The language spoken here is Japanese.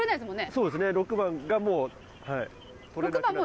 そうですね６番がもう。